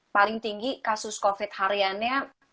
paling tinggi kasus covid hariannya